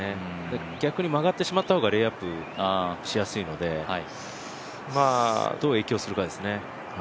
逆に曲がってしまったほうがレイアップしやすいのでどう影響するかですね。